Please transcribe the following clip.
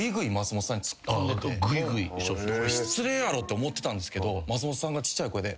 失礼やろって思ってたんですけど松本さんがちっちゃい声で。